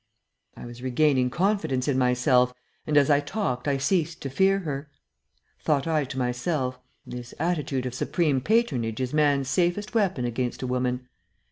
I was regaining confidence in myself, and as I talked I ceased to fear her. Thought I to myself, "This attitude of supreme patronage is man's safest weapon against a woman.